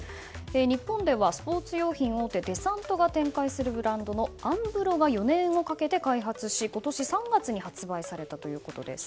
日本ではスポーツ用品大手デサントが展開するブランドのアンブロが４年をかけて開発し、今年３月に発売されたということです。